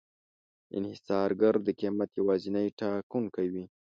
انحصارګر د قیمت یوازینی ټاکونکی وي.